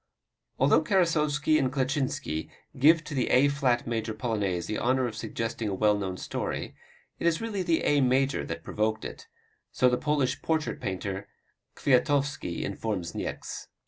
Although Karasowski and Kleczynski give to the A flat major Polonaise the honor of suggesting a well known story, it is really the A major that provoked it so the Polish portrait painter Kwiatowski informed Niecks.